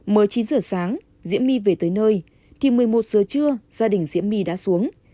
mới chín giờ sáng diễm my về tới nơi thì một mươi một giờ trưa gia đình diễm my đã xuống